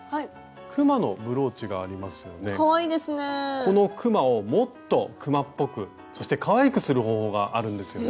このくまをもっとくまっぽくそしてかわいくする方法があるんですよね。